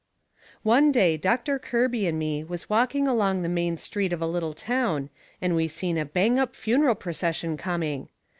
One day Doctor Kirby and me was walking along the main street of a little town and we seen a bang up funeral percession coming.